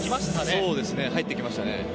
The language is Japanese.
そうですね、入ってきましたね。